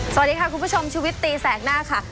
สวัสดีค่ะคุณผู้ชมชีวิตตีแสกหน้าค่ะ